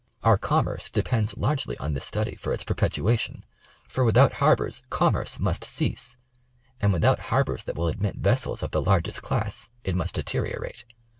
Our commerce depends largely on this study for its pex'petuation, for without harbors commerce must cease ; and without harbors that will admit vessels of the largest class it must deteriorate.